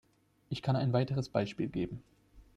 Ich kann ein weiteres Beispiel geben.